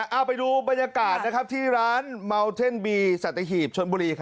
เอาไปดูบรรยากาศที่ร้านเมาเท่นบีสัตหีบชนบุรี